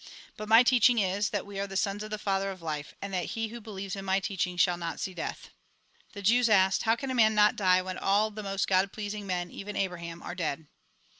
But my teaching is, that we are the sons of the Father of life, and that he who believes in my teaching shall not see death." The Jews asked :" How can a man not die, when all the most God pleasing men, even Abraham, are dead